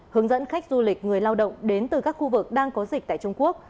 hướng dẫn khách du lịch người lao động đến từ các khu vực đang có dịch tại trung quốc